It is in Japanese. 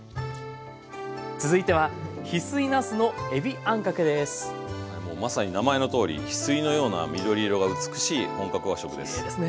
続いてはもうまさに名前のとおり翡翠のような緑色が美しい本格和食です。